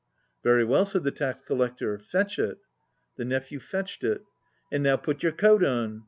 "Very well," said the tax collector, "fetch it." The nephew fetched it. "And now put your coat on."